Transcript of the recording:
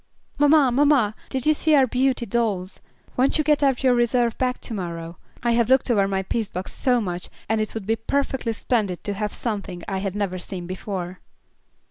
"Mamma, mamma, did you see our beauty dolls? Won't you get out your reserve bag to morrow? I have looked over my piece box so much, and it would be perfectly splendid to have something I had never seen before."